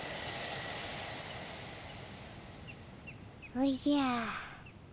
おじゃ。